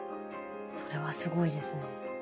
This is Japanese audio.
それはすごいですね。